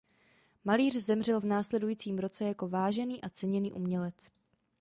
Malíř zemřel v následujícím roce jako vážený a ceněný umělec.